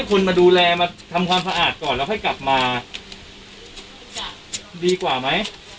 ก่อนแล้วค่อยกลับมาดีกว่าไหม